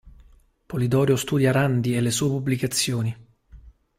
Polidoro studia Randi e le sue pubblicazioni.